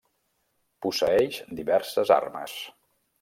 Posseeix diverses armes.